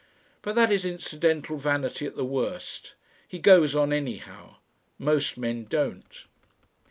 But that is incidental vanity at the worst; he goes on anyhow. Most men don't.